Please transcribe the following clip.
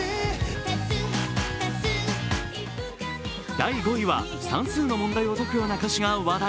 第５位は算数の問題を解くような歌詞が話題。